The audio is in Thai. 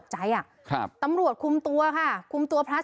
ไม่เจอกปืนออกมาลูวาใส่กำเงิด